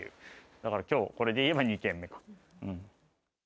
だからきょう、これでいえば２件目かな。